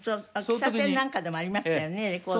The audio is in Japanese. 喫茶店なんかでもありましたよねレコード。